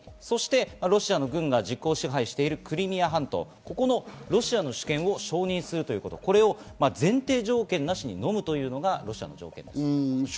そしてロシアの軍が実効支配しているクリミア半島、ここのロシアの主権を承認するということ、これを前提条件なしに飲むというのがロシアの条件です。